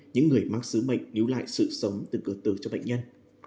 những người mang sứ mệnh níu lại sự sống từ cơ tư cho bệnh nhân